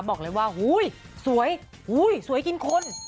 บอกเลยว่าหูยสวยหูยสวยกินคน